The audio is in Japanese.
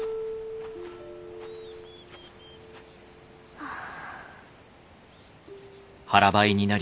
はあ。